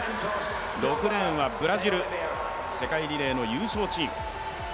６レーンはブラジル、世界リレーの優勝チーム。